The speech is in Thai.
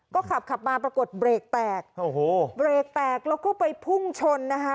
ก็ขับขับมาปรากฏเบรกแตกโอ้โหเบรกแตกแล้วก็ไปพุ่งชนนะคะ